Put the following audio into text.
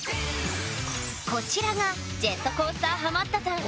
こちらがジェットコースターハマったさん